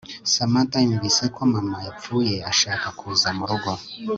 Samantha yumvise ko mama yapfuye ashaka kuza murugo